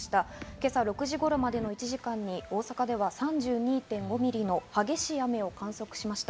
今朝６時頃までの１時間に、大阪では３２．５ミリの激しい雨を観測しました。